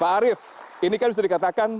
pak arief ini kan bisa dikatakan